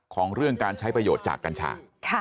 ของเรื่องการใช้ประโยชน์จากกัญชา